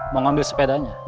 mau ngambil sepedanya